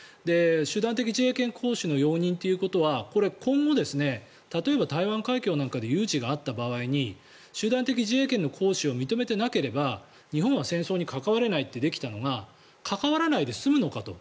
集団的自衛権行使の容認ということはこれは今後、例えば台湾海峡なんかで有事があった場合に集団的自衛権の行使を認めていなければ日本は戦争に関われないってできたのが関わらないで済むのかと。